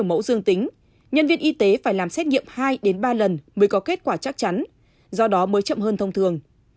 mẫu dương tính nhân viên y tế phải làm xét nghiệm hai ba lần mới có kết quả chắc chắn do đó mới chậm hơn thông thường